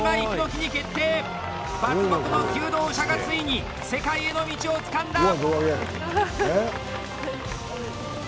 伐木の求道者がついに世界への道をつかんだ！